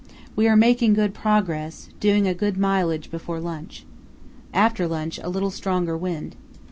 We are making good progress, doing a good mileage before lunch. After lunch a little stronger wind.